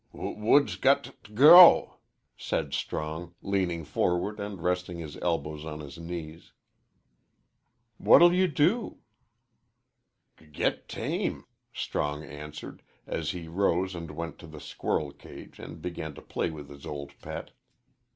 "W woods got t' g go," said Strong, leaning forward and resting his elbows on his knees. . "What'll you do?" "G git tame," Strong answered, as he rose and went to the squirrel cage and began to play with his old pet.